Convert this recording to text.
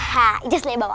hah iya selain bawa